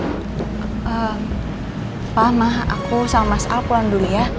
ehm pak ma aku sama mas al pulang dulu ya